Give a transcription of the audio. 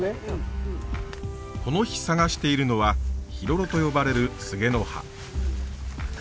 この日探しているのはヒロロと呼ばれるスゲの葉。